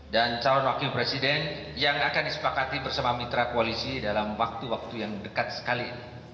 dan calon wakil presiden yang akan disepakati bersama mitra koalisi dalam waktu waktu yang dekat sekali